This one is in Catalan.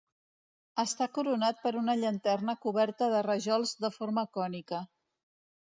Està coronat per una llanterna coberta de rajols de forma cònica.